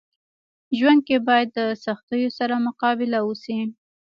ژوند کي باید د سختيو سره مقابله وسي.